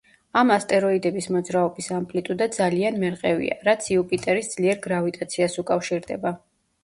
ამ ასტეროიდების მოძრაობის ამპლიტუდა ძალიან მერყევია, რაც იუპიტერის ძლიერ გრავიტაციას უკავშირდება.